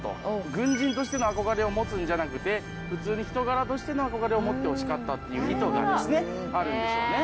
軍人としての憧れを持つんじゃなくて普通に人柄としての憧れを持ってほしかったっていう意図がですねあるんでしょうね。